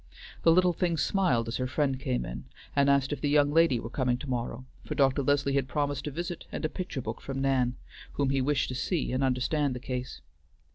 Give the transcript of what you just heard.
The little thing smiled as her friend came in, and asked if the young lady were coming to morrow, for Dr. Leslie had promised a visit and a picture book from Nan, whom he wished to see and understand the case.